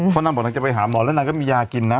เพราะนางบอกนางจะไปหาหมอแล้วนางก็มียากินนะ